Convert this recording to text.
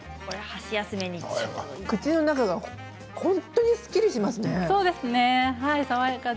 口の中が本当にすっきりしますね。